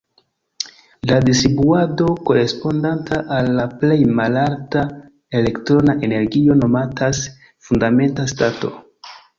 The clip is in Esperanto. La distribuado korespondanta al la plej malalta elektrona energio nomatas "fundamenta stato".